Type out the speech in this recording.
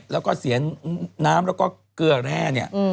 แล้วก็เสียนน้ำแล้วก็เกลือแร่เนี่ย